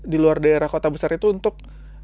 di luar daerah kota besar itu untuk